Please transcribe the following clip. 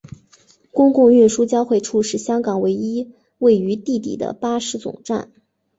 公共运输交汇处是香港唯一位于地底的巴士总站。